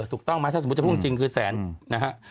ถูกต้องมั้ยถ้าสมมุติว่าจริงคือแสนนะฮะ